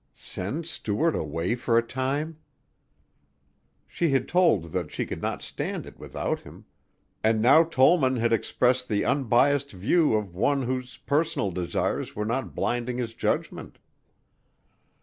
Send Stuart away for a time! She had told that she could not stand it without him, and now Tollman had expressed the unbiased view of one whose personal desires were not blinding his judgment.